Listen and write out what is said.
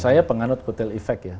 saya penganut putihl efek ya